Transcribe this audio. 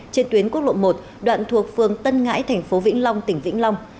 trên tuyến quốc lộ một đoạn thuộc phường tân ngãi thành phố vĩnh long tỉnh vĩnh long